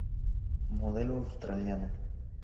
Modelo Australiano.